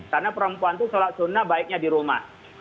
karena perempuan itu sholat sunnah baiknya di rumah